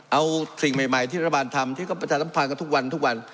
เอาสิ่งใหม่ที่รัฐบาลทำที่ก็ประชาสัมพันธ์กันทุกวันทุกวัน